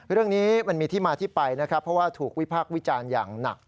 เรื่องนี้มันมีที่มาที่ไปนะครับเพราะว่าถูกวิพากษ์วิจารณ์อย่างหนัก